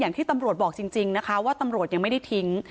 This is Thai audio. ที่ตำรวจบอกจริงนะคะว่าตำรวจยังไม่ได้ทิ้ง